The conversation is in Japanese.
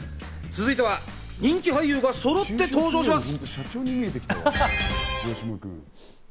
続いては人気俳優がそろって登場します。